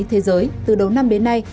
thế giới từ đầu năm đến nay